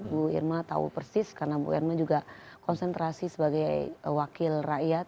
bu irma tahu persis karena bu irma juga konsentrasi sebagai wakil rakyat